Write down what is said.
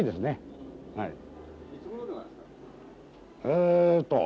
えっと